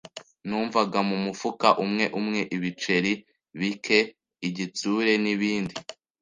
Numvaga mumufuka, umwe umwe. Ibiceri bike, igitsure, nibindi